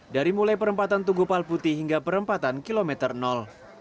dari mulai perempatan tugupal putih hingga perempatan kilometer nol